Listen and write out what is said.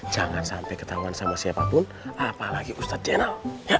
jangan sampe ketahuan sama siapapun apalagi ustadz jenal